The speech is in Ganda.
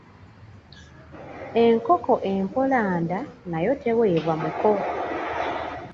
Enkoko empoolanda , nayo teweebwa muko.